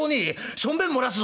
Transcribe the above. しょんべん漏らすぞ」。